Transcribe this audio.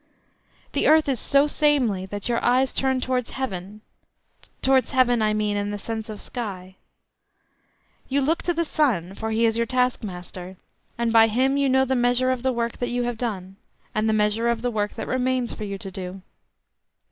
The earth is so samely that your eyes turn towards heaven—towards heaven, I mean, in the sense of sky. You look to the sun, for he is your task master, and by him you know the measure of the work that you have done, and the measure of the work that remains for you to do.